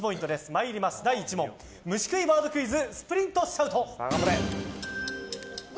参ります、第１問虫食いワードクイズスプリントシャウト。